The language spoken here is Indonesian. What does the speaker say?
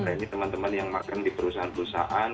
training teman teman yang makan di perusahaan perusahaan